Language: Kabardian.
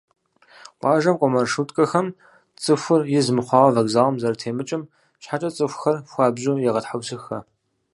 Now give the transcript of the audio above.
Къуажэм кӏуэ маршруткэхэм цӏыхур из мыхъуауэ вокзалым зэрытемыкӏым щхьэкӏэ цӏыхухэр хуабжьу егъэтхьэусыхэ.